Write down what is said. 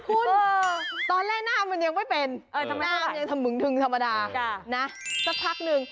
คุณตอนแรกหน้ามันยังไม่เป็นหน้ามันยังถมึงทึงธรรมดานะสักพักหนึ่ง